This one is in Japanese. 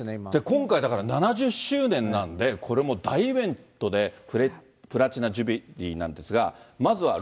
今回だから７０周年なんで、これもう大イベントで、プラチナジュビリーなんですが。